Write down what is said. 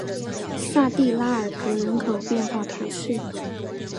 萨蒂拉尔格人口变化图示